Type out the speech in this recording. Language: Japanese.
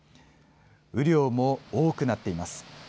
雨量も多くなっています。